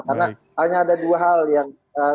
karena hanya ada dua hal yang